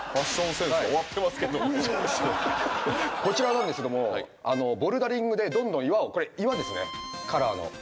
こちらなんですけどボルダリングでどんどん岩をこれ岩ですねカラーの。